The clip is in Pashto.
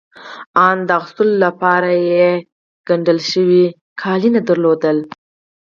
آن د اغوستو لپاره ګنډل شوي کالي يې نه درلودل.